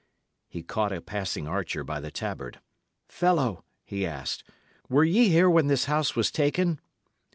He caught a passing archer by the tabard. "Fellow," he asked, "were ye here when this house was taken?"